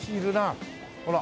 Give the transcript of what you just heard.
ほら。